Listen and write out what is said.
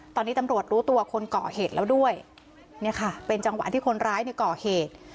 ตอนนี้ตำรวจรู้ตัวคนก่อเหตุแล้วด้วยเนี่ยค่ะเป็นจังหวะที่คนร้ายเนี่ยก่อเหตุ